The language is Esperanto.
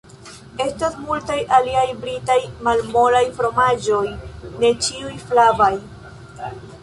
Estas multaj aliaj britaj malmolaj fromaĝoj, ne ĉiuj flavaj.